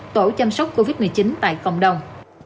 tổ chăm sóc covid một mươi chín tại cộng đồng